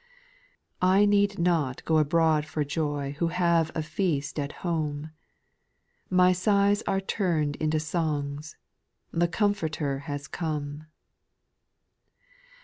3. I need not go abroad for joy Who have a feast at home ; My sighs are turned into songs. The Comforter is come.